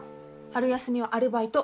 春休みはアルバイト。